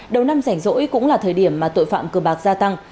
đầu năm rảnh rỗi cũng là thời điểm mà tội phạm cờ bạc gia tăng